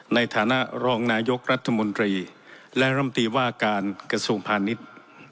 ในฐานะรองนายกรัฐมนตรีและร่ำตีว่าการกระทรวงพาณิชย์